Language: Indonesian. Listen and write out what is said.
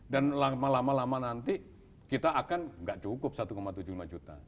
dan lama lama nanti kita akan gak cukup satu tujuh puluh lima juta